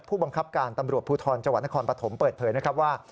ผู้บังคับการตำรวจภูทรจังหวัดนครปฐมเปิดเผยนะครับว่า